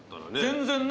全然ね。